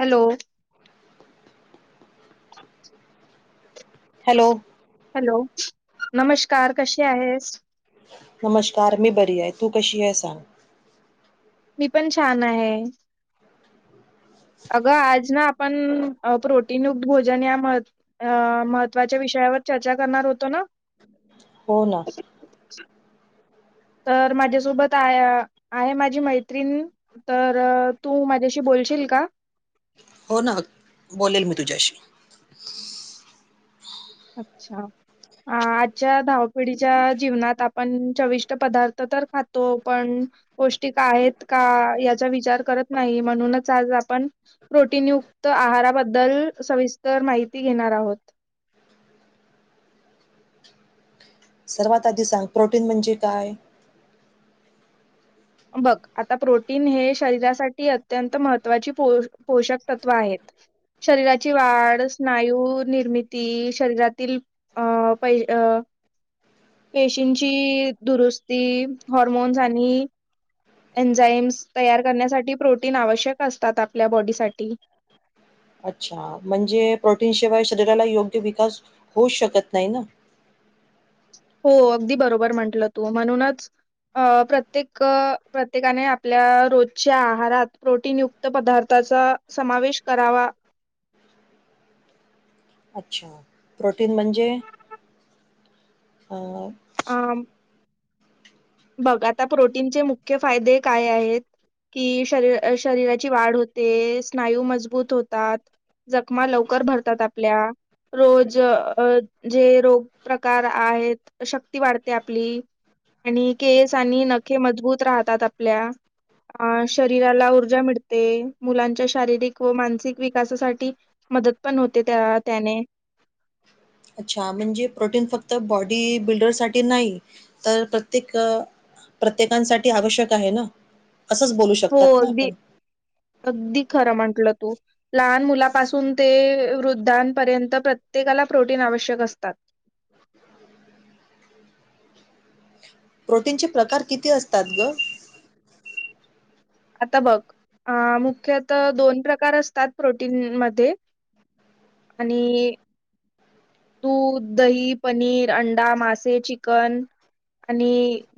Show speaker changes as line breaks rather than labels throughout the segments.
Hello.
Hello
hello नमस्कार कशी आहेस.
नमस्कार मी बरी आहे तू कशी आहे सांग.
मी पण छान आहे. अगं आज ना आपण प्रोटीनयुक्त भोजन या म. अ महत्त्वाच्या विषयावर चर्चा करणार होतो ना.
हो ना.
तर माझ्यासोबत आहे आहे माझी मैत्रिण. तर तू माझ्याशी बोलशील का.
हो ना बोलेल मी तुझ्याशी.
अच्छा. अ आजच्या धावपिढीच्या जीवनात आपण चविष्ट पदार्थ तर खातो पण. पौष्टिक आहेत का याचा विचार करत नाही म्हणूनच आज आपण. प्रोटीनयुक्त आहाराबद्दल सविस्तर माहिती घेणार आहोत.
सर्वात आधी सांग प्रोटीन म्हणजे काय.
बघ आता प्रोटीन हे शरीरासाठी अत्यंत महत्त्वाची पो पोषक तत्त्व आहेत. शरीराची वाढ स्नायू निर्मिती शरीरातील. अ पहि अ. पेशींची दुरुस्ती हॉर्मोन्स आणि. एनझाइम्स तयार करण्यासाठी प्रोटीन आवश्यक असतात आपल्या बॉडीसाठी.
अच्छा म्हणजे प्रोटीन शिवाय शरीराला योग्य विकास होऊच शकत नाही ना.
हो अगदी बरोबर म्हटलं तू म्हणूनच. अ प्रत्येक प्रत्येकाने आपल्या रोजच्या आहारात प्रोटीन युक्त. पदार्थाचा समावेश करावा.
अच्छा प्रोटीन म्हणजे अ.
अ बघ आता प्रोटीनचे मुख्य फायदे काय आहेत कि शरीर अ शरीराची वाढ होते स्नायू मजबूत होतात जखमा लवकर भरतात आपल्या रोज अ जे रोग प्रकार आहेत शक्ती वाढते आपली आणि केस आणि नखे मजबूत राहतात आपल्या अ शरीराला ऊर्जा मिळते मुलांच्या शारीरिक व मानसिक विकासासाठी मदत पण होते त्या त्याने
अच्छा म्हणजे प्रोटीन फक्त बॉडी बिल्डर साठी नाही तर प्रत्येक प्रत्येकांसाठी आवश्यक आहे ना असंच बोलू
हो
शकतात ना
अगदी
आपण
अगदी खरं म्हटलं तू लहान मुलापासून ते वृद्धांपर्यंत प्रत्येकाला प्रोटीन आवश्यक असतात
प्रोटीन चे प्रकार किती असतात ग
आता बघ मुख्यत दोन प्रकार असतात प्रोटीन मध्ये आणि दूध दही पनीर अंडा मासे चिकन आणि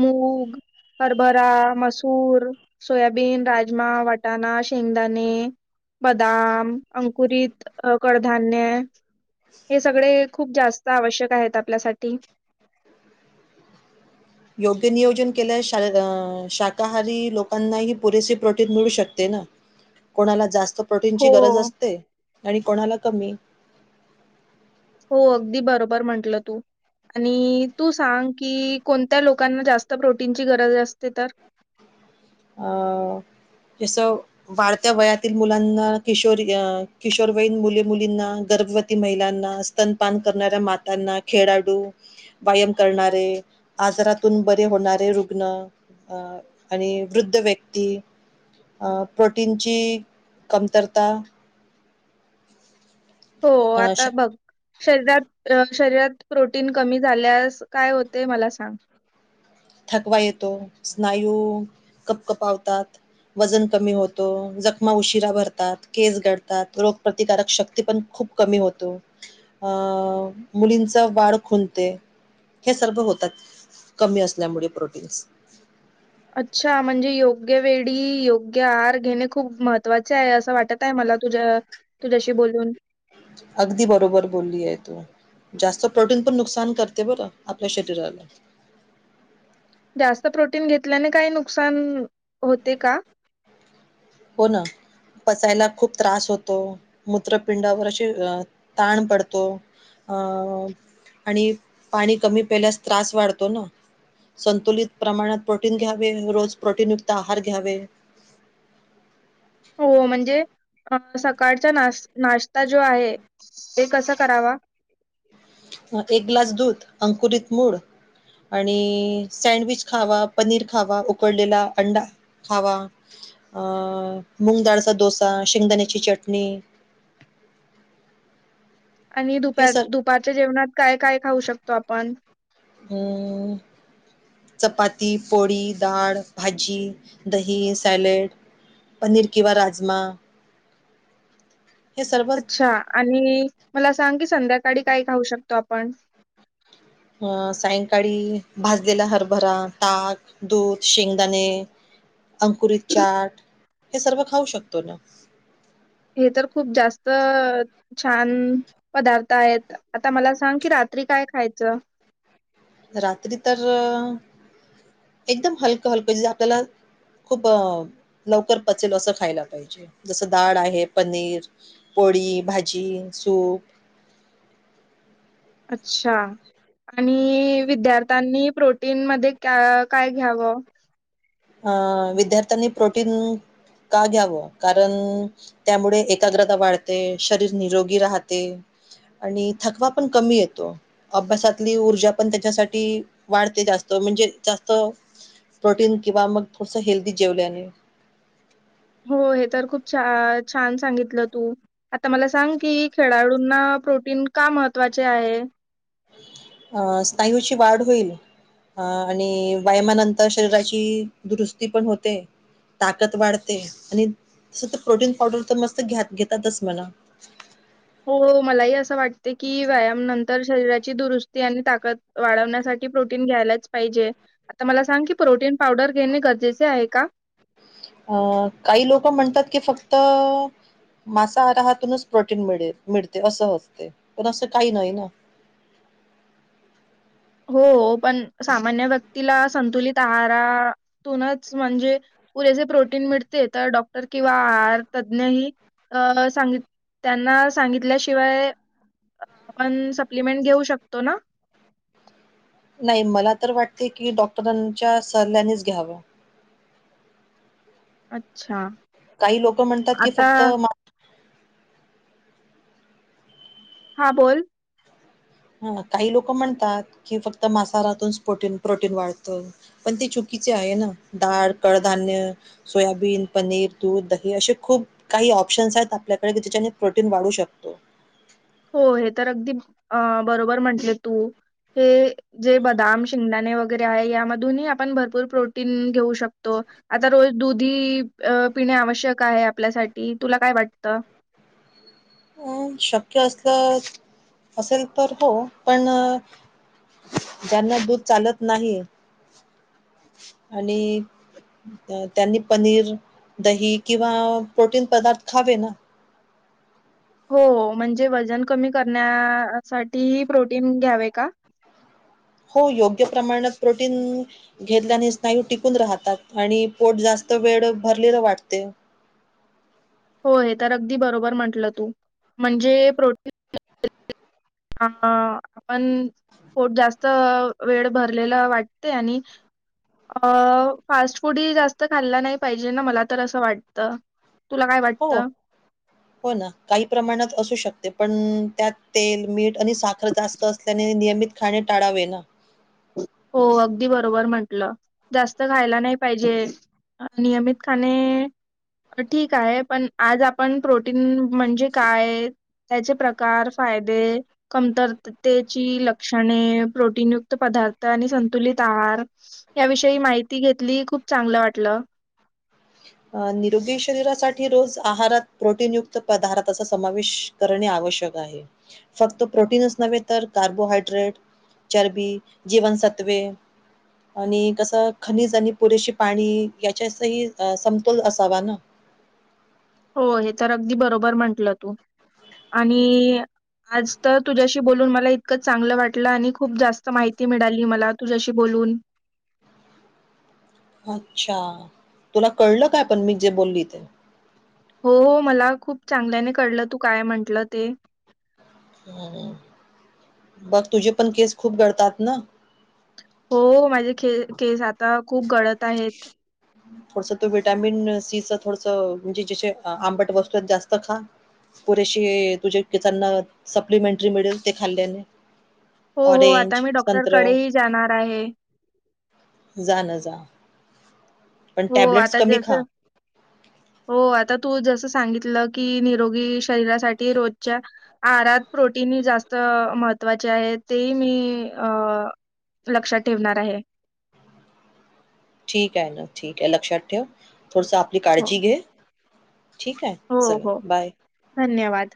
मूग हरभरा मसूर सोयाबीन राजमा वाटाणा शेंगदाणे बदाम अंकुरित कडधान्य हे सगळे खूप जास्त आवश्यक आहेत आपल्यासाठी
योग्य नियोजन केल्यास शाकाहारी लोकांनाही पुरेसे प्रोटीन मिळू शकते ना कोणाला जास्त प्रोटीनची
हो.
गरज असते आणि कोणाला कमी
हो अगदी बरोबर म्हंटलं तू आणि तू सांग की कोणत्या लोकांना जास्त प्रोटीनची गरज असते तर
यास वाढत्या वयातील मुलांना किशोरी किशोरवयीन मुले मुलींना गर्भवती महिलांना तनपान करणाऱ्या मातांना खेळाडू व्यायाम करणारे आजारातून बरे होणारे रुग्ण आणि वृद्ध व्यक्ती प्रोटीनची कमतरता
हो
अं श
आता बघ शरीरात शरीरात प्रोटीन कमी झाल्यास काय होते मला सांग
थकवा येतो स्नायू कप कपावतात वजन कमी होतो जखमा उशिरा भरतात केस गळतात रोगप्रतिकारक शक्ती पण खूप कमी होतो मुलींचा वाढ खुणते हे सर्व होतात कमी असल्यामुळे प्रोटीन्स
अच्छा म्हणजे योग्य वेळी योग्य आहार घेणे खूप महत्त्वाचे आहे असं वाटत य मला तुझ्या तुझ्याशी बोलून
अगदी बरोबर बोलली आहे तू जास्त प्रोटीन पण नुकसान करते बरं आपल्या शरीराला
जास्त प्रोटीन घेतल्याने काही नुकसान होते का
हो ना पसायला खूप त्रास होतो मूत्रपिंडावर अशी अ ताण पडतो अ आणि पाणी कमी पेल्यास त्रास वाढतो ना संतुलित प्रमाणात प्रोटीन घ्यावे रोज प्रोटीन युक्त आहार घ्यावे
हो म्हणजे सकाळचा ना नाश्ता जो आहे ते कसं करावा
मग एक ग्लास दूध, अंकुरित मूळ आणि सँडविच खावा, पनीर खावा, उकळलेला अंडा खावा, अ मुगडाळचा डोसा, शेंगदाण्याची चटणी
आणि
हे
दुपार
सर
दुपारच्या जेवणात काय काय खाऊ शकतो आपण.
ह.. चपाती, पोळी, डाळ, भाजी, दही, सॅलेड पनीर किंवा राजमा हे सर्व
अच्छा. आणि मला सांग कि संध्याकाळी काय खाऊ शकतो आपण.
अं सायंकाळी भाजलेला हरभरा, ताक, दूध, शेंगदाणे अंकुरीत चाट हे सर्व खाऊ शकतोन.
हे तर खूप जास्त छान पदार्थ आहेत. आता मला सांग कि रात्री काय खायचं?
रात्री तर, एकदम हलकं हलकं जे आपल्याला खूप लवकर पचेल असं खायला पाहिजे. जसं डाळ आहे पनीर पोळी, भाजी, सूप
अच्छा. आणि विद्यार्थ्यांनी प्रोटीन मध्ये क्या काय घ्यावं?
अं विद्यार्थ्यांनी प्रोटीन का घ्यावं कारण त्यामुळे एकाग्रता वाढते. शरीर निरोगी राहते. आणि थकवा पण कमी येतो. अभ्यासातली ऊर्जा पण त्याच्यासाठी वाढते जास्त म्हणजे जास्त प्रोटीन किंवा मग थोडस हेल्दी जेवल्याने
हो हे तर खूप छा छान सांगितलं तु आता मला सांग की, खेळाडूंना प्रोटीन का महत्त्वाचे आहे?
अ स्नायूची वाढ होईल. अ आणि व्यायामानंतर शरीराची दुरुस्ती पण होते. ताकद वाढते. आणि तस तर प्रोटीन पावडर त मस्त घ्या घेतातच मना.
हो मलाही असं वाटते की, व्यायाम नंतर शरीराची दुरुस्ती आणि ताकद वाढवण्यासाठी प्रोटीन घ्यायलाच पाहिजे. आता मला सांग की, प्रोटीन पावडर घेणे गरजेचे आहे का?
अं काही लोक म्हणतात की फक्त मासाआहारातूनच प्रोटीन मिळेल मिळते असं असते. पण असं काही नाही ना,
हो पण सामान्य व्यक्तीला संतुलीत आहारातूनच म्हणजे पुरेसे प्रोटीन मिळते. तर डॉक्टर किंवा आर तज्ज्ञही अ सांगित त्यांना सांगितल्याशिवाय आपण सप्लिमेंट घेऊ शकतो न.
नाही मला तर वाटते की, डॉक्टरांच्या सल्ल्यानेच घ्यावं.
अच्छा.
काही लोक म्हणतात की
आता
फक्त मा
हा बोल.
हा काही लोक म्हणतात की, फक्त मासाहारातून पोटीन प्रोटीन वाढतं. पण ते चुकीचे आहे न, दाळ, कडधान्य सोयाबीन, पनीर, दूध, दही असे खूप काही ऑप्शन्स आहेत आपल्याकडे जिच्याने प्रोटीन वाढू शकतो.
हो हे तर अगदी अ बरोबर म्हंटले तू. हे जे बदाम, शेंगदाणे वगैरे आहे यामधूनही आपण भरपूर प्रोटीन घेऊ शकतो. आता रोज दुध ही अ पिणे आवश्यक आहे आपल्यासाठी, तुला काय वाटतं?
अ शक्य असल, असेल तर हो पण अ ज्यांना दूध चालत नाही आणि त्यांनी पनीर, दही किंवा प्रोटीन पदार्थ खावे ना.
हो हो म्हणजे वजन कमी करण्या साठीही प्रोटीन घ्यावे का?
हो योग्य प्रमाणात प्रोटीन घेतल्याने स्नायू टिकून राहतात आणि पोट जास्त वेड भरलेलं वाटते.
होय, हे तर अगदी बरोबर म्हंटल तू म्हणजे प्रोटीन अ आपण पोट जास्त वेळ भरलेल वाटते आणि अ फास्ट फूड ही जास्त खाल्ल नाही पाहिजे ना, मला तर असं वाटतं. तुला काय वाटत?
हो हो ना, काही प्रमाणात असू शकते पण अ त्यात तेल, मीठ आणि साखर जास्त असल्याने नियमित खाणे टाळावे ना.
हो अगदी बरोबर म्हंटल, जास्त खायला नाही पाहिजे. नियमित खाणे ठीक आहे पण आज आपण प्रोटीन म्हणजे काय? त्याचे प्रकार, फायदे कमतर तेची लक्षणे, प्रोटीन युक्त पदार्थ आणि संतुलित आहार याविषयी माहिती घेतली खूप चांगलं वाटलं.
अ निरोगी शरीरासाठी रोज आहारात प्रोटीन युक्त पदार्थाचा समावेश करणे आवश्यक आहे, फक्त प्रोटीनच नव्हे तर कार्बोहायड्रेट चरबी, जीवनसत्वे आणि कसं खनिज आणि पुरेशी पाणी याच्या सही समतोल असावा ना.
हो हे तर अगदी बरोबर म्हंटलं तू आणि आज तर तुझ्याशी बोलून मला इतकं चांगल वाटल आणि खूप जास्त माहिती मिडाली मला तुझ्याशी बोलून.
अच्छा! तुला कळलं काय पण मी जे बोलली ते?
हो हो, मला खूप चांगल्याने कडलं तू काय म्हटलं ते.
हम्म, बघ तुझे पण केस खूप गळतात ना?
हो माझे के केस आता खूप गळत आहेत.
थोडस तू विटॅमिन सीच थोडस म्हणजे जे जे आंबट वस्तू आहेत जास्त खा. पुरेशी तुझ्या केसांना सप्लिमेंटरी मिडेल ते खाल्ल्याने.
हो हो, आता
ऑरेंज
मी
संत्र
डॉक्टरकडेही जाणार आहे.
जा न जा. पण
हो
टॅब्लेट्स
आता
कमी
जस,
खा
हो आता तू जस सांगितलं की निरोगी शरीरासाठी रोजच्या आहारात प्रोटीन ही जास्त महत्त्वाचे आहे तेही मी अ लक्षात ठेवणार आहे.
ठीक आहे ना ठीक आहे, लक्षात ठेव थोडस आपली
हो,
काळजी घे. ठीक आहे
हो,
चला
हो.
बाय.
धन्यवाद.